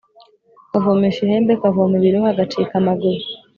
kavomeshe ihembe; kavome ibirohwa; gacike amaguru